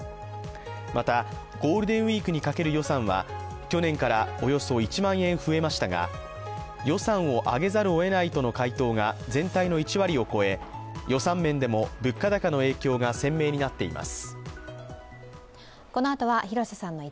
また、ゴールデンウイークにかける予算は、去年からおよそ１万円増えましたが予算を上げざるを得ないとの回答が全体の１割を超え予算面でも物価高の影響が鮮明になっています。